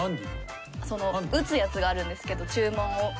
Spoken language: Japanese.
その打つやつがあるんですけど注文を。